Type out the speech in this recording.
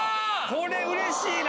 これうれしいな！